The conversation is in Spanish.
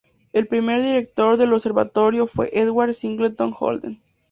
El primer director del observatorio fue Edward Singleton Holden.